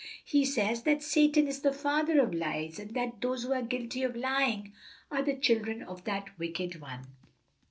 He says that Satan is the father of lies, and that those who are guilty of lying are the children of that wicked one.